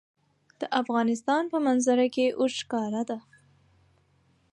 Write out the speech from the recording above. د افغانستان په منظره کې اوښ ښکاره ده.